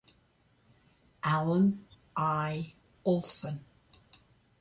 Allen I. Olson.